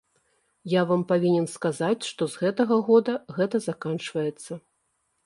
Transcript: Я вам павінен сказаць, што з гэтага года гэта заканчваецца.